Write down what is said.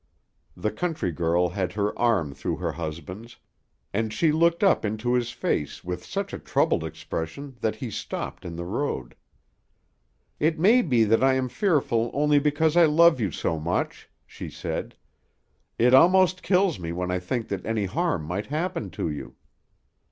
The country girl had her arm through her husband's, and she looked up into his face with such a troubled expression that he stopped in the road. "It may be that I am fearful only because I love you so much," she said. "It almost kills me when I think that any harm might happen to you."